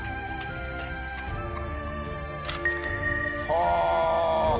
はあ！